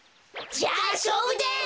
じゃあしょうぶです！